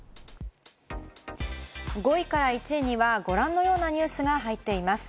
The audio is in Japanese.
５位から１位にはご覧のようなニュースが入っています。